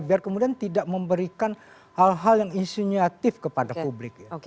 biar kemudian tidak memberikan hal hal yang isinyatif kepada publik